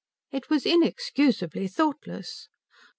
"It was inexcusably thoughtless."